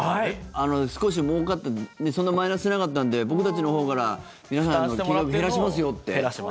少し、もうかってそんなマイナスしなかったんで僕たちのほうから皆さんの金額を減らしますよって。